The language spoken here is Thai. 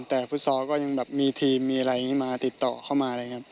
แต่ฟุตซอลก็ยังมีทีมมีอะไรมาติดต่อเข้ามา